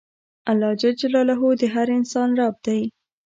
اللهﷻ د هر انسان رب دی.